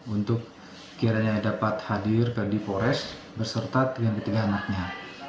untuk kiranya dapat hadir di barres berserta dengan ketiga anaknya